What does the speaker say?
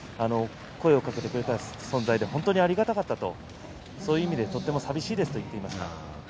声をかけてくれて本当にありがたかったとそういう意味でとても寂しいですと話していました。